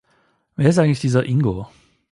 Wer ist eigentlich dieser Ingo?